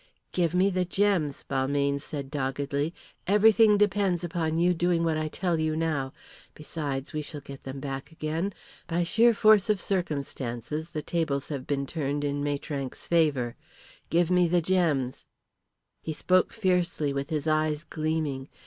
"Give me the gems," Balmayne said doggedly. "Everything depends upon you doing what I tell you now. Besides, we shall get them back again. By sheer force of circumstances the tables have been turned in Maitrank's favour. Give me the gems!" He spoke fiercely, with his eyes gleaming.